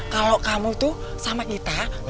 kalau kamu tuh sama kita